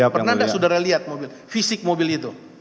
pernah tidak saudara lihat mobil fisik mobil itu